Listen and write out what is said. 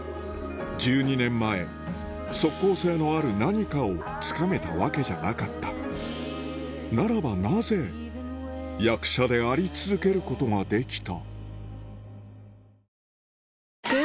１２年前即効性のある何かをつかめたわけじゃなかったならばなぜ役者であり続けることができた？